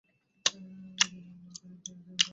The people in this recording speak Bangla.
তিনি যোগাযোগ অধ্যয়নে স্নাতক সম্পন্ন করেছেন।